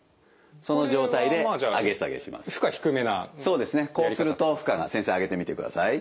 そうですねこうすると負荷が先生上げてみてください。